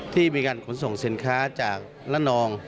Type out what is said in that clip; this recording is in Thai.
ที่มีการขนส่งสินค้าจากละนอง